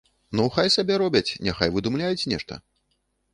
Ну хай сабе робяць, няхай выдумляюць нешта.